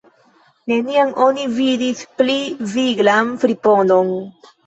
Nenian oni vidis pli viglan friponon.